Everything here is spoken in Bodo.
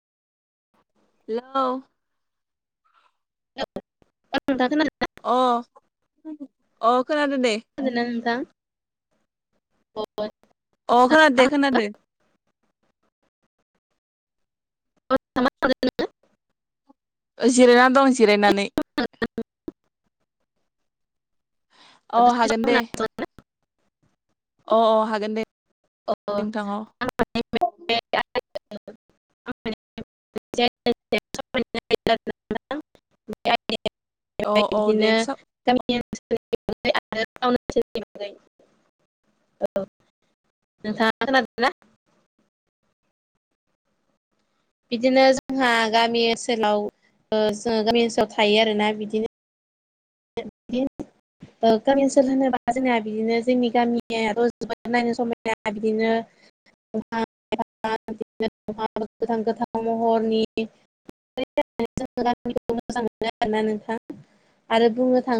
हेलौ औ नोंथां खोनादोंना अ अ खोनादों दे खोनादों ना नोंथां? अ अ खोनादों दे खोनादो [inaudible] जिरायना दं जिरायनानै। [inaudible] अ हागोन दे अ अ हागोन दे। नोंथां अ [unintelligible] [inaudible] औ औ दे [inaudible] साव [unintelligible] [unintelligible] औ नोंथाङा खोनादों ना? बिदिनो जोंहा गामि ओनसोलाव ओ जों गामि ओनसोलाव थायो आरोना बिदिनो। [unintelligible] ओ गामि ओनसोल होनोबा जोंना बिदिनो जोंनि गामिया र जोबोद नायनो समायना बिदिनो [inaudible] गोथां गोथां महरनि। जोंनि गामिखौ मोजां मोनो आरोना नोंथां आरो बुंनो थाङो